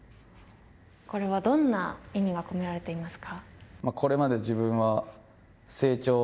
これはどんな意味が込められていますか。